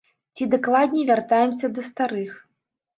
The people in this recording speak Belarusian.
Ці, дакладней, вяртаемся да старых.